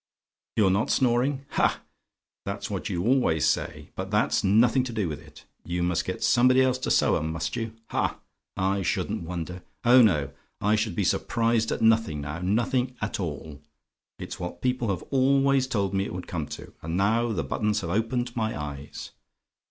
"YOU'RE NOT SNORING? "Ha! that's what you always say; but that's nothing to do with it. You must get somebody else to sew 'em, must you? Ha! I shouldn't wonder. Oh no! I should be surprised at nothing, now! Nothing at all! It's what people have always told me it would come to, and now the buttons have opened my eyes!